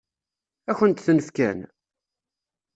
Ad kent-ten-fken?